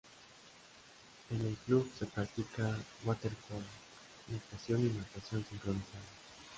En el club se practica waterpolo, natación y natación sincronizada.